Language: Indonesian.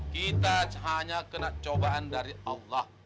kita hanya kena cobaan dari allah